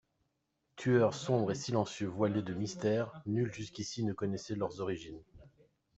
Tueurs sombres et silencieux voilés de mystère, nul jusqu'ici ne connaissait leurs origines.